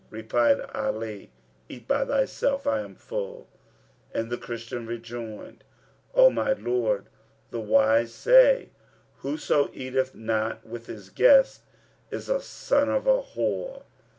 Replied Ali, "Eat by thyself, I am full;" and the Christian rejoined, "O my lord, the wise say, Whoso eateth not with his guest is a son of a whore."